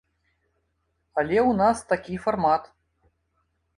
Але ў нас такі фармат.